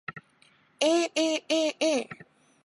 aaaa